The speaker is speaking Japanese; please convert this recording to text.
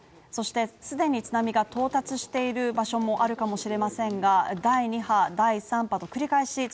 そして、既に津波が到達している場所もあるかもしれませんが、第２波、第３波と繰り返し